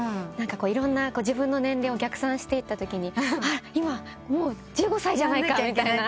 いろんな自分の年齢を逆算していったときに「今もう１５歳じゃないか」やんなきゃいけないって？